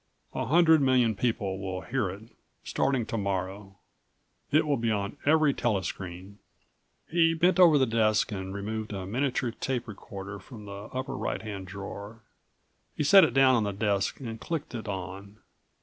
A hundred million people will hear it, starting tomorrow. It will be on every tele screen." He bent over his desk and removed a miniature tape recorder from the upper right hand drawer. He set it down on the desk and clicked it on.